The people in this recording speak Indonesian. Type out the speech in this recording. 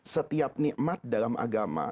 setiap nikmat dalam agama